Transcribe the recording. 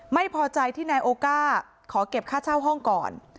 ไม่พอใจที่นายโอก้าขอเก็บค่าเช่าห้องก่อน